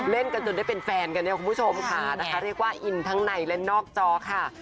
เล่นกันจนได้เป็นแฟนกันเนี่ยคุณผู้ชมค่ะนะคะเรียกว่าอินทั้งในและนอกจอค่ะ